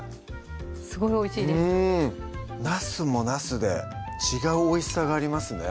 すごいおいしいですなすもなすで違うおいしさがありますね